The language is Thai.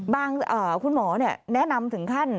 คุณหมอแนะนำถึงขั้น